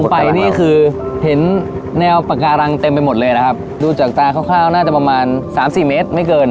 ไปนี่คือเห็นแนวปาการังเต็มไปหมดเลยนะครับดูจากตาคร่าวน่าจะประมาณสามสี่เมตรไม่เกิน